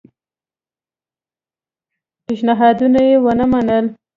پېشنهادونه یې ونه منل.